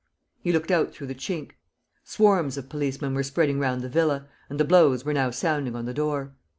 He looked out through the chink. Swarms of policemen were spreading round the villa; and the blows were now sounding on the door.